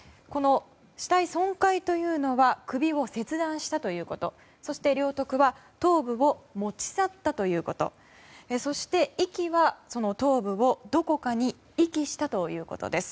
死体損壊というのは首を切断したということそして、領得は頭部を持ち去ったということ遺棄は、その頭部をどこかに遺棄したということです。